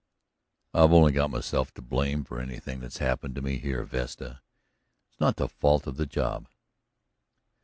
"I've only got myself to blame for anything that's happened to me here, Vesta. It's not the fault of the job."